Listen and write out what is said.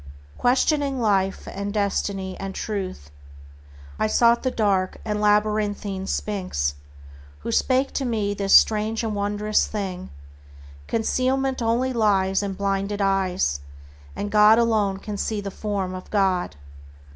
Questioning Life and Destiny and Truth, I sought the dark and labyrinthine Sphinx, Who spake to me this strange and wondrous thing: "Concealment only lies in blinded eyes, And God alone can see the Form of God."